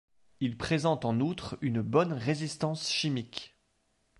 Ils présentent en outre une bonne résistance chimique.